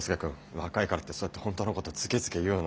若いからってそうやって本当のことをズケズケ言うの。